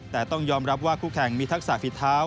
แต่ต้องยอมรับว่าคู่แข่งมีทักษะฝีเท้า